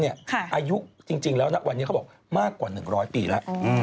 อายุจริงแล้วนะวันนี้เขาบอกมากกว่า๑๐๐ปีแล้ว